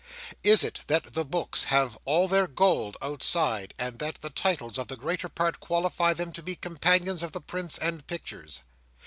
Is it that the books have all their gold outside, and that the titles of the greater part qualify them to be companions of the prints and pictures?